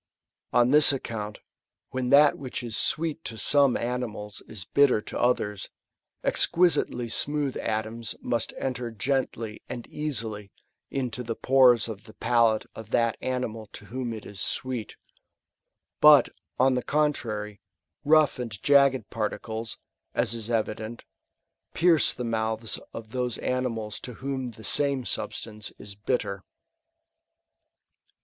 On this account, when that which is sweet to some animals is bitter to others, exquisitely smooth atoms must enter gently and easily into the pores of the palate of that animal to whom it is sweet ; but, on the contrary, rough and jagged particles, as is evident, pierce the "mouths of those animals to whom the same substance is bitter.